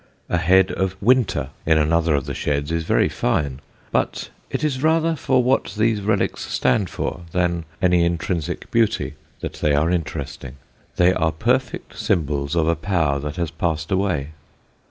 A head of Winter in another of the sheds is very fine; but it is rather for what these relics stand for, than any intrinsic beauty, that they are interesting. They are perfect symbols of a power that has passed away.